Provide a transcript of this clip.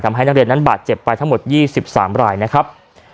ทำให้นักเรียนนั้นบาดเจ็บไปทั้งหมด๒๓รายนะครับ